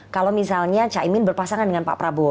kalau misalnya caimin berpasangan dengan pak prabowo